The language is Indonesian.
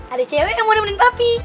ada cewek yang mau nemenin papi